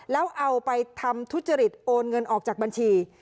แล้วเอาไปทำทุจริตโอนเงินออกจากบัญชี